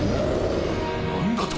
何だと！？